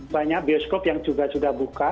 banyak bioskop yang juga sudah buka